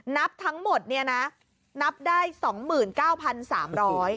นับทั้งหมดนี่นะนับได้๒๙๓๐๐บาท